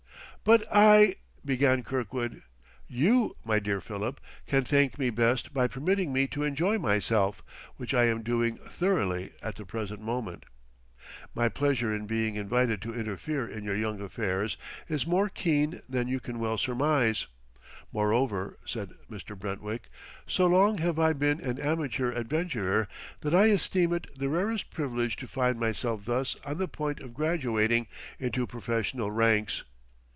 "But I," began Kirkwood . "You, my dear Philip, can thank me best by permitting me to enjoy myself; which I am doing thoroughly at the present moment. My pleasure in being invited to interfere in your young affairs is more keen than you can well surmise. Moreover," said Mr. Brentwick, "so long have I been an amateur adventurer that I esteem it the rarest privilege to find myself thus on the point of graduating into professional ranks."